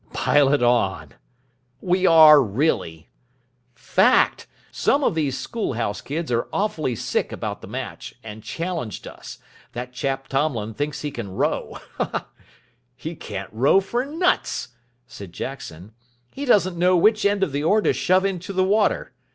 "Pile it on." "We are, really. Fact. Some of these School House kids are awfully sick about the match, and challenged us. That chap Tomlin thinks he can row. "He can't row for nuts," said Jackson. "He doesn't know which end of the oar to shove into the water.